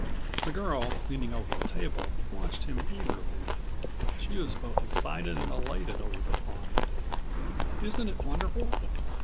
The girl, leaning over the table, watched him eagerly. She was both excited and elated over the find. "Isn't it wonderful?"